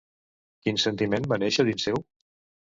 Quin sentiment va néixer dins seu?